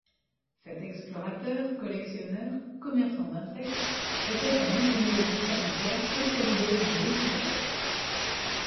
Cet explorateur, collectionneur, commerçant d'insectes était un entomologiste amateur spécialisé dans les lépidoptères.